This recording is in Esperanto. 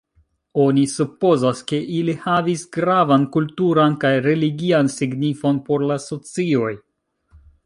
Oni supozas, ke ili havis gravan kulturan kaj religian signifon por la socioj.